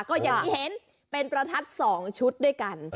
ก็อย่างที่เห็นเป็นประทัด๒ชุดด้วยกัน